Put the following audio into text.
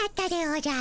おじゃ？